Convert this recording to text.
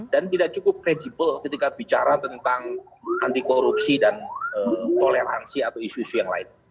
dan tidak cukup credible ketika bicara tentang anti korupsi dan toleransi atau isu isu yang lain